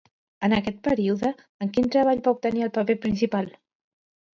En aquest període, en quin treball va obtenir el paper principal?